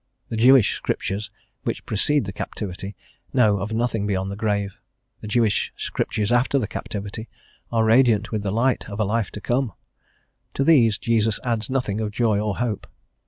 The Jewish Scriptures which precede the captivity know of nothing beyond the grave; the Jewish Scriptures after the captivity are radiant with the light of a life to come; to these Jesus adds nothing of joy or hope.